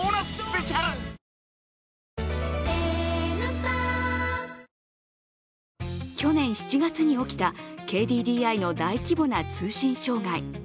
ぷはーっ去年７月に起きたＫＤＤＩの大規模な通信障害。